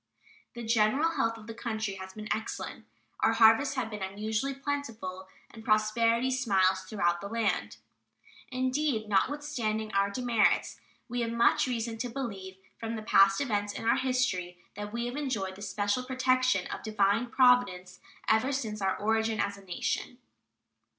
The general health of the country has been excellent, our harvests have been unusually plentiful, and prosperity smiles throughout the land. Indeed, notwithstanding our demerits, we have much reason to believe from the past events in our history that we have enjoyed the special protection of Divine Providence ever since our origin as a nation.